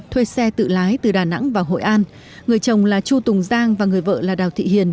thuê xe tự lái từ đà nẵng vào hội an người chồng là chu tùng giang và người vợ là đào thị hiền